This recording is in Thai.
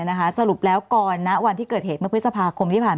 สรุปแล้วก่อนณวันที่เกิดเหตุเมื่อพฤษภาคมที่ผ่าน